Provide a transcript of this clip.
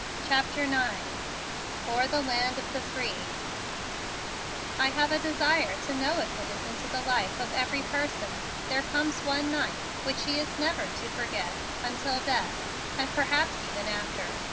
CHAPTER IX "O'ER THE LAND OF THE FREE " I have a desire to know if it is into the life of every person there comes one night which he is never to forget until death and perhaps even after.